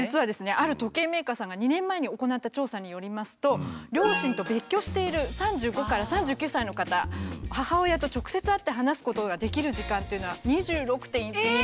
ある時計メーカーさんが２年前に行った調査によりますと両親と別居している３５から３９歳の方母親と直接会って話すことができる時間というのは２６．１日。